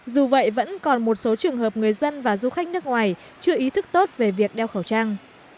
dù vậy vẫn còn một số trường hợp người dân và du khách nước ngoài chưa ý thức tốt về việc đeo khẩu trang